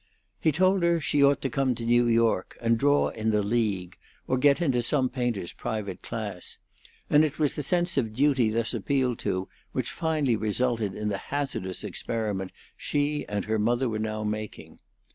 He told her she ought to come to New York, and draw in the League, or get into some painter's private class; and it was the sense of duty thus appealed to which finally resulted in the hazardous experiment she and her mother were now making.